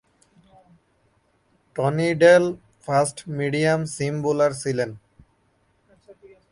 Tony Dell fast medium seam bowler ছিলেন।